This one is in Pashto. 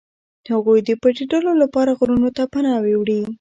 هغوی د پټېدلو لپاره غرونو ته پناه وړي.